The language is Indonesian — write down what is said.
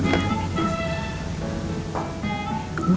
berisik anaknya bangunan